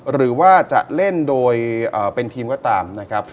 หรือว่าจะเล่นโดยเป็นทีมก็ตามนะครับ